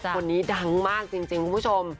คนนี้ดังมากจริงคุณผู้ชม